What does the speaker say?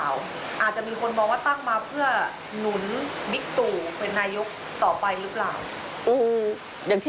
อาจจะมีคนมองว่าตั้งมาเพื่อหนุนบิ๊กตู่เป็นนายกต่อไปหรือเปล่า